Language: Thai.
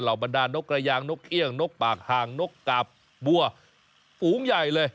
บรรดานกกระยางนกเอี่ยงนกปากห่างนกกาบบัวฝูงใหญ่เลย